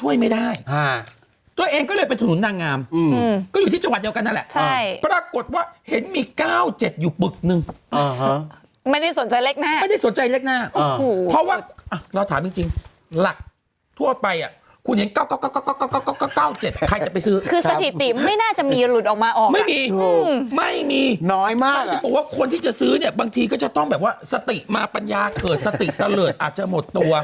วบางทีบอกว่าคนที่จะซื้อเนี่ยบางทีก็จะต้องแบบว่าสติมาปัญญาเกิดสติเตลอดอาจจะหมดตัว